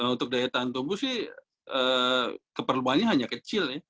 untuk daya tahan tubuh sih keperluannya hanya kecil ya